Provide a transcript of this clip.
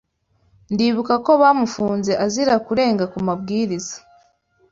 Ndibuka ko bamufunze azira kurenga kumabwiriza.